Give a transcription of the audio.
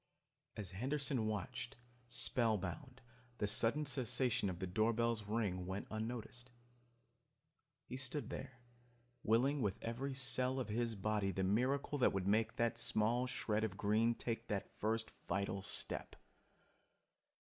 As Henderson watched, spellbound, the sudden cessation of the doorbell's ring went unnoticed. He stood there, willing with every cell of his body the miracle that would make that small shred of green take the first vital step.